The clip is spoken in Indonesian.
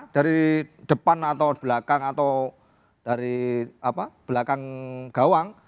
dari depan atau belakang atau dari belakang gawang